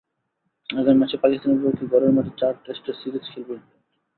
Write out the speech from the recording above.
আগামী মাসে পাকিস্তানের বিপক্ষে ঘরের মাঠে চার টেস্টের সিরিজ খেলবে ইংল্যান্ড।